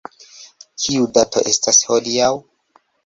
Kiu dato estas hodiaŭ?